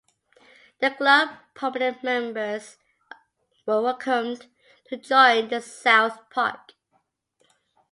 The club prominent members were welcomed to join the South Park.